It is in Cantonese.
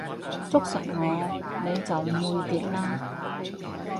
捉實我你就唔會跌啦